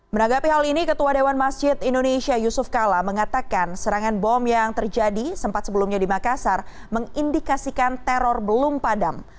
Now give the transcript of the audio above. menanggapi hal ini ketua dewan masjid indonesia yusuf kala mengatakan serangan bom yang terjadi sempat sebelumnya di makassar mengindikasikan teror belum padam